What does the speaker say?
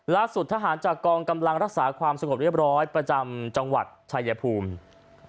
ทหารจากกองกำลังรักษาความสงบเรียบร้อยประจำจังหวัดชายภูมิ